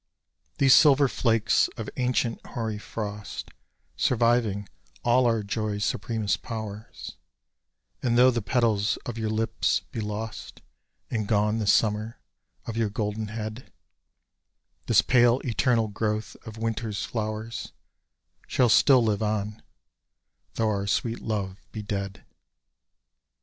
These silver flakes of ancient hoary frost, Surviving all our joys' supremest powers, And though the petals of your lips be lost And gone the summer of your golden head, This pale eternal growth of winter's flowers Shall still live on though our sweet love be dead.